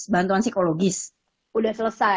bantuan psikologis udah selesai